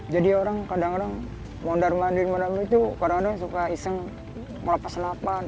jadi orang kadang kadang mondar mandir mondar itu kadang kadang suka iseng melapas lapang